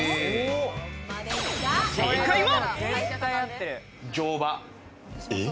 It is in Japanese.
正解は。